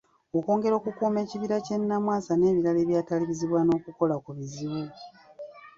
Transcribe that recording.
Okwongera okukuuma ekibira ky'e Namwasa n'ebibira ebyatalizibwa n'okukola ku buzibu.